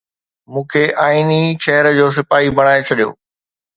مون کي آئيني شهر جو سپاهي بڻائي ڇڏيو